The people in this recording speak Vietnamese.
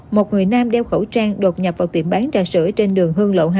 một người nam đeo khẩu trang đột nhập vào tiệm bán trà sữa trên đường hương lộ hai